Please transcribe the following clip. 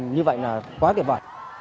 như vậy là quá tuyệt vời